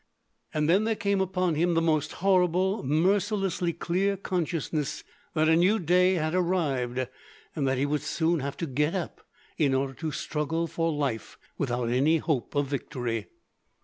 And then there came upon him the most horrible, mercilessly clear consciousness that a new day had arrived, and that he would soon have to get up, in order to struggle for life without any hope of victory.